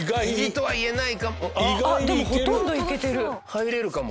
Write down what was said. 入れるかも。